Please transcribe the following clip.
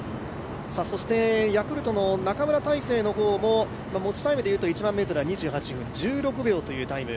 そして、ヤクルトの中村大聖の方も持ちタイムでは１００００ｍを２８分１６秒というタイム。